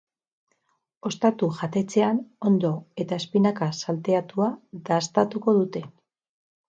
Ostatu jatetxean onddo eta espinaka salteatua dastatuko dute.